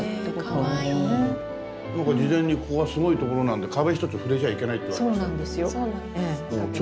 なんか事前にここはすごいところなんで壁一つ触れちゃいけないって言われましたけど。